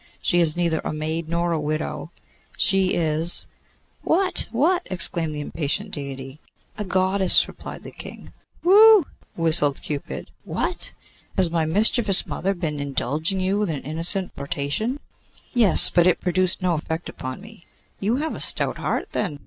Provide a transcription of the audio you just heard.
She is neither a maid nor a widow. She is ' 'What? what?' exclaimed the impatient deity. 'A Goddess!' replied the King. 'Wheugh!' whistled Cupid. 'What! has my mischievous mother been indulging you with an innocent flirtation?' 'Yes; but it produced no effect upon me.' 'You have a stout heart, then.